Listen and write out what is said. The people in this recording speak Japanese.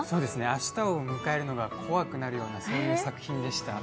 明日を迎えるのが怖くなるような作品でした。